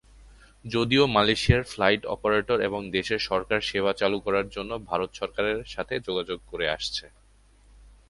যদিও মালয়েশিয়ার flight operator এবং দেশের সরকার সেবা চালু করার জন্য ভারত সরকারের সাথে যোগাযোগ করে আসছে।